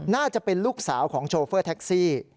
น่าจะเป็นลูกสาวของโชเฟอร์แท็กซี่